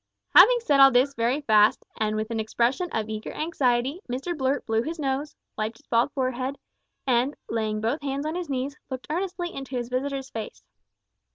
Having said all this very fast, and with an expression of eager anxiety, Mr Blurt blew his nose, wiped his bald forehead, and, laying both hands on his knees, looked earnestly into his visitor's face.